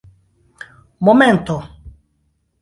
momento